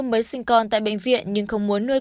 mới sinh con tại bệnh viện nhưng không muốn nuôi con